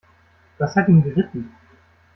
Was hat ihn geritten?